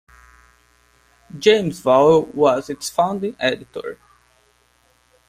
James Vowell was its founding editor.